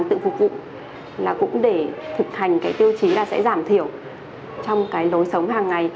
thực hành cái tiêu chí là sẽ giảm thiểu trong cái lối sống hàng ngày